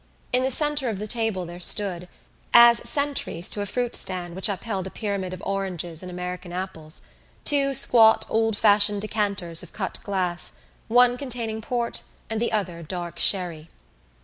In the centre of the table there stood, as sentries to a fruit stand which upheld a pyramid of oranges and American apples, two squat old fashioned decanters of cut glass, one containing port and the other dark sherry.